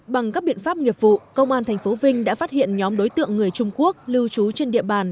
bằng các biện pháp nghiệp vụ công an tp vinh đã phát hiện nhóm đối tượng người trung quốc lưu trú trên địa bàn